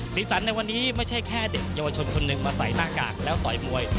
สีสันในวันนี้ไม่ใช่แค่เด็กเยาวชนคนหนึ่งมาใส่หน้ากากแล้วต่อยมวย